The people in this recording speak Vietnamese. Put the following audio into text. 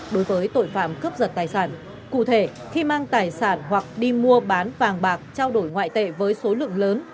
đối với tội phạm cướp giật tài sản cụ thể khi mang tài sản hoặc đi mua bán vàng bạc trao đổi ngoại tệ với số lượng lớn